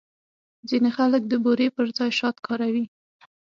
ځینې خلک د بوري پر ځای شات کاروي.